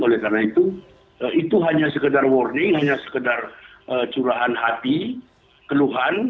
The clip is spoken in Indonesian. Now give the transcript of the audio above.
oleh karena itu itu hanya sekedar warning hanya sekedar curahan hati keluhan